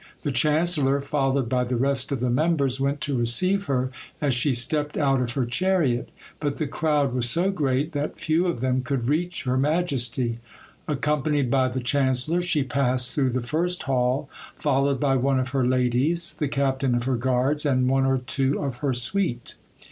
The chancellor, followed by the rest of the members, went to receive her as she stepped out of her chariot; but the crowd was so great, that few of them could reach her majesty. Accompanied by the chancellor, she passed through the first hall, followed by one of her ladies, the captain of her guards, and one or two of her suite.